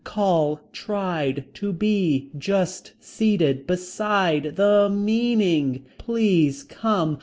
Call. Tried. To be. Just. Seated. Beside. The. Meaning. Please come.